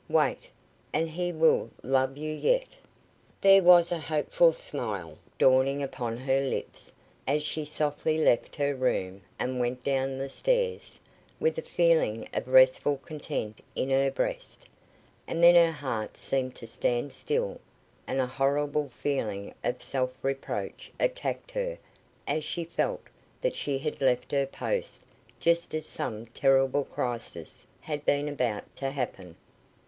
Wait, and he will love you yet." There was a hopeful smile dawning upon her lips, as she softly left her room, and went down the stairs, with a feeling of restful content in her breast, and then her heart seemed to stand still, and a horrible feeling of self reproach attacked her as she felt that she had left her post just as some terrible crisis had been about to happen.